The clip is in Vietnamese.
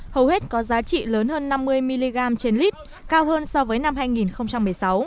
hầu hết có giá trị lớn hơn năm mươi mg trên lít cao hơn so với năm hai nghìn một mươi sáu